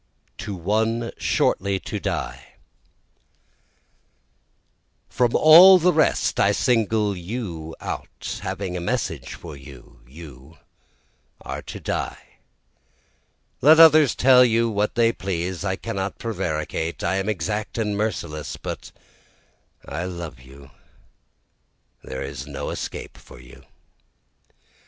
To One Shortly to Die From all the rest I single out you, having a message for you, You are to die let others tell you what they please, I cannot prevaricate, I am exact and merciless, but I love you there is no escape for you.